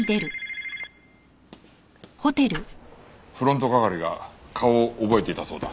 フロント係が顔を覚えていたそうだ。